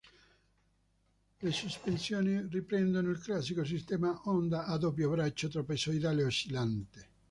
Le sospensioni riprendono il classico sistema Honda a doppio braccio trapezoidale oscillante.